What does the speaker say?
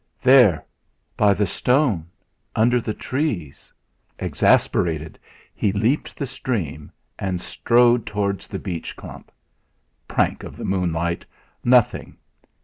"There by the stone under the trees!" Exasperated, he leaped the stream, and strode towards the beech clump. Prank of the moonlight! Nothing!